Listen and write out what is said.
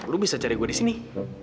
lu bisa cari gue di sini